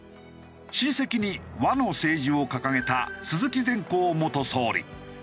親戚に「和の政治」を掲げた鈴木善幸元総理。